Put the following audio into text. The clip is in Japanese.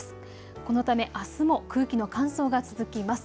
このため、あすも空気の乾燥が続きます。